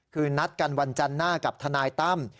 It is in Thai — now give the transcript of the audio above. คือนัดกันวันจันทร์หน้ากับทนายตั้ม